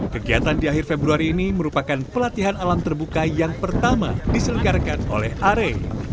kegiatan di akhir februari ini merupakan pelatihan alam terbuka yang pertama diselenggarakan oleh are